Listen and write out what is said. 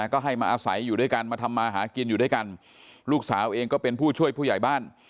ก็ให้มาอาศัยอยู่ด้วยกันมาทำมาหากินอยู่ด้วยกันลูกสาวเองก็เป็นผู้ช่วยผู้ใหญ่บ้าน